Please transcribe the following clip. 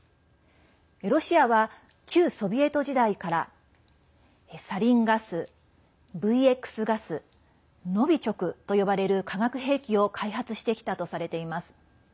ロシアは、旧ソビエト時代からサリンガス、ＶＸガスノビチョクと呼ばれる化学兵器を開発してきたとされています。